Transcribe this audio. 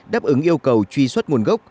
đáp ứng yêu cầu truy xuất nguồn gốc